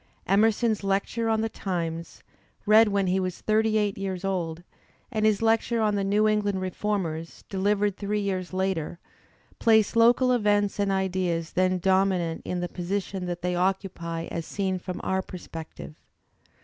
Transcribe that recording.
Emerson's "Lecture on the Times," read when he was thirty eight years old, and his lecture on the "New England Reformers," delivered three years later, place local events and ideas then dominant in the position that they occupy as seen from our perspective.